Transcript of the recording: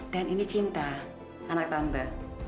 dan ini cinta anak tante